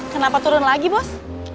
kenapa turun lagi bos